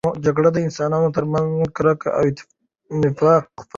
جګړه د انسانانو ترمنځ کرکه او نفاق خپروي.